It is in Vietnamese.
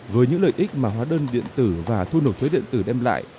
với những lợi ích mà hóa đơn điện tử và thu nộp thuế điện tử đem lại